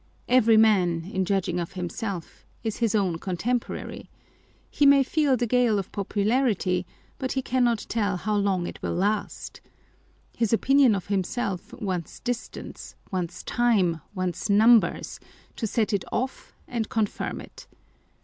Every man, in judging of himself, is his own contemporary. He may feel the gale of popularity, but M 162 Genius and its Powers. he cannot tell bow long it will last. His opinion of him self wants distance, wants time, wants numbers, to set it off and confirm it.